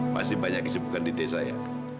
masih banyak kesibukan di desa ya